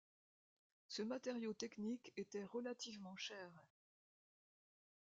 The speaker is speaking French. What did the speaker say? Ce matériau technique était relativement cher.